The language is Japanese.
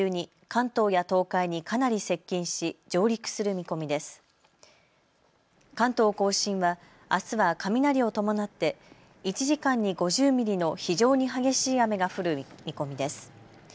関東甲信は、あすは雷を伴って１時間に５０ミリの非常に激しい雨が降る見込みです。